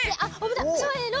せの！